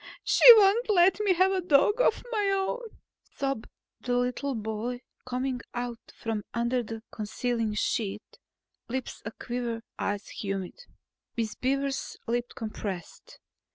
"She won't let me have a dog of my own," sobbed the boy, coming out from under the concealing sheet, lips a quiver, eyes humid. Miss Beaver's lips compressed.